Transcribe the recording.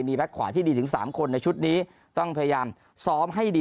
มีแบ็คขวาที่ดีถึง๓คนในชุดนี้ต้องพยายามซ้อมให้ดี